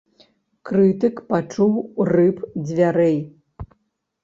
Крытык пачуў рып дзвярэй.